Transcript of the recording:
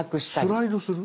スライドする？